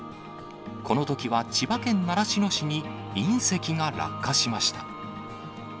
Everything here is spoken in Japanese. このときは、千葉県習志野市に隕石が落下しました。